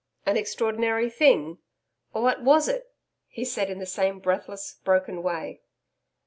'An extraordinary thing ? What was it?' he said in the same breathless, broken way.